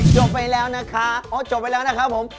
จบไปแล้วนะคะอ๋อจบไปแล้วนะครับผม